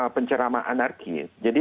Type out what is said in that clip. pencerama anakis jadi